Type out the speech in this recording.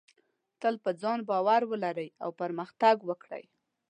تل په ځان باور ولرئ او پرمختګ وکړئ.